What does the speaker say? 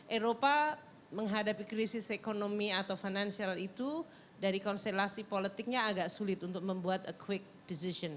eropa menghadapi krisis ekonomi atau financial itu dari konstelasi politiknya agak sulit untuk membuat quick decision